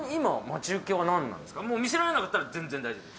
見せられなかったら全然大丈夫です。